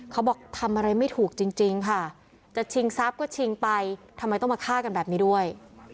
เขาบอกทำอะไรไม่ถูกจริงค่ะจะชิงทรัพย์ก็ชิงไปทำไมต้องมาฆ่ากันแบบนี้ด้วย